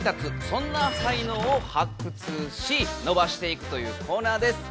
そんな才能を発掘し伸ばしていくというコーナーです。